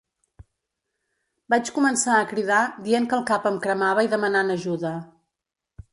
Vaig començar a cridar dient que el cap em cremava i demanant ajuda.